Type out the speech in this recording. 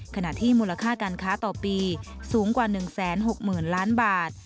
ขณะที่มูลค่าการค้าต่อปีสูงกว่า๑๖๐๐๐ล้านบาท